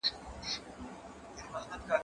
ته څه ږغ اورې،